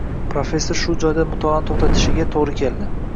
Professor shu joyida mutolaani to`xtatishiga to`g`ri keldi